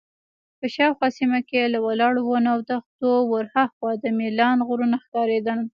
په شاوخوا سیمه کې له ولاړو ونو او دښتې ورهاخوا د میلان غرونه ښکارېدل.